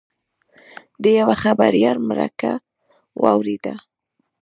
د یوه خبریال مرکه واورېده.